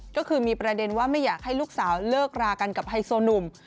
ก็คือมีประเด็นว่าไม่อยากให้ลูกสาวเลิกรากันกับไฮโซนุ่ม